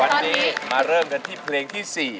วันนี้มาเริ่มกันที่เพลงที่๔